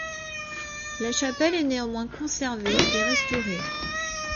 La chapelle est néanmoins conservée et restaurée.